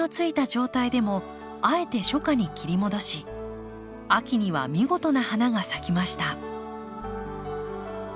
状態でもあえて初夏に切り戻し秋には見事な花が咲きました。